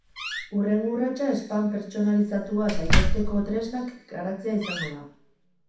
Hurrengo urratsa spam pertsonalizatua saihesteko tresnak garatzea izango da.